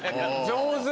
上手！